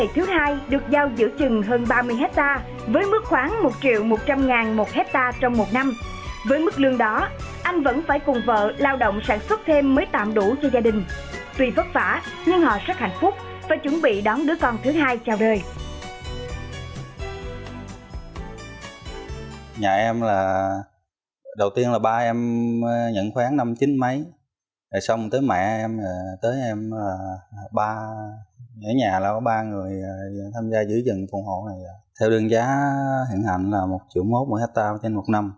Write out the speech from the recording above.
theo đơn giá hiện hành là một triệu mốt mỗi hectare trên một năm